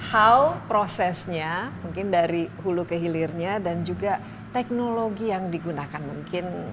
how prosesnya mungkin dari hulu ke hilirnya dan juga teknologi yang digunakan mungkin